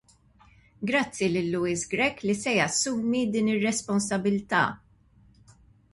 Grazzi lil Louis Grech li se jassumi din ir-responsabbilta.